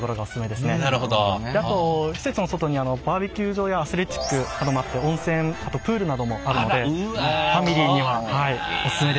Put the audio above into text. であと施設の外にバーベキュー場やアスレチックなどもあって温泉あとプールなどもあるのでファミリーにはおすすめです。